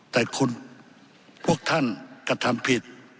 แต่คุณพวกท่านกระทำผิด